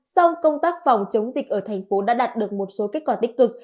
sau công tác phòng chống dịch ở tp hcm đã đạt được một số kết quả tích cực